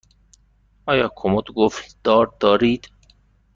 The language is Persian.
آیا کمد قفل دار دارید؟